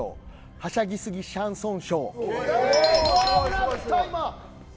はしゃぎすぎシャンソン。